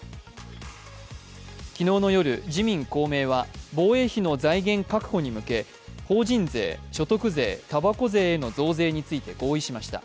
昨日の夜、自民・公明は防衛費の財源確保に向け法人税、所得税、たばこ税への増税について合意しました。